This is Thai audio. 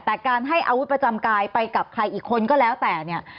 แต่การให้อาวุธประจำกายไปกับใครอีกคนก็แล้วแต่เนี่ย